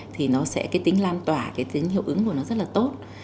thì nó sẽ cái tính lan tỏa cái tính hiệu ứng của nó rất là tốt